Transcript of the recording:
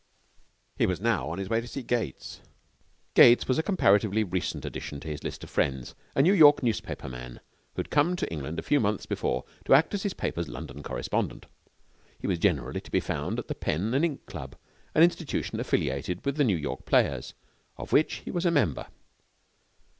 He was on his way now to see Gates. Gates was a comparatively recent addition to his list of friends, a New York newspaperman who had come to England a few months before to act as his paper's London correspondent. He was generally to be found at the Pen and Ink Club, an institution affiliated with the New York Players, of which he was a member.